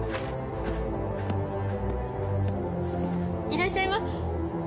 いらっしゃいま。